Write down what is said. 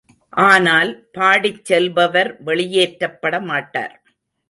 ஆனால், பாடிச் செல்பவர் வெளியேற்றப் பட மாட்டார்.